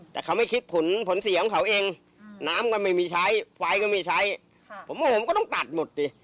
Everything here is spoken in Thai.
แต่เขาไม่คิดผลผลเสียของเขาเองน้ำก็ไม่มีใช้ไฟก็ไม่ใช้ผมว่าผมก็ต้องตัดหมดสิ